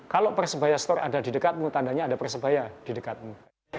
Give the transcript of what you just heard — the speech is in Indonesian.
kalau persebaya store ada di dekatmu tandanya ada persebaya di dekatmu